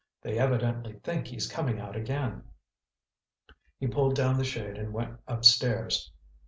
"They evidently think he's coming out again." He pulled down the shade and went upstairs.